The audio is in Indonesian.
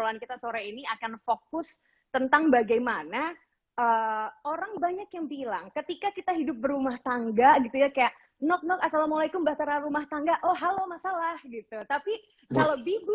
assalamualaikum wr wb